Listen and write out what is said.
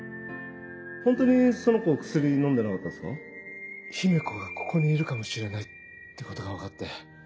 ホントにその子薬飲んでなかった姫子がここにいるかもしれないってことが分かって。